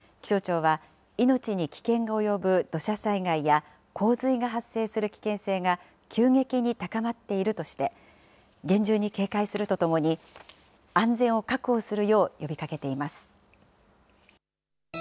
線状降水帯は、発達した積乱雲が次々と連なって、大雨をもたらす現象で、気象庁は、命に危険が及ぶ土砂災害や洪水が発生する危険性が急激に高まっているとして、厳重に警戒するとともに、安全を確保するよう呼びかけています。